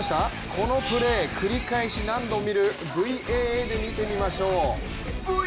このプレー、繰り返し何度も見るＶＡＡで見てみましょう。